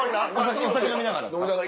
お酒飲みながらですか？